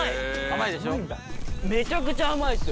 めちゃくちゃ甘いっすよ